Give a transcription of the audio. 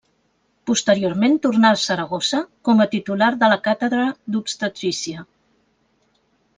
Posteriorment tornà a Saragossa, com a titular de la càtedra d'obstetrícia.